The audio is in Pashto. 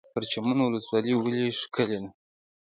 پرچمن ولسوالۍ ولې ښکلې ده؟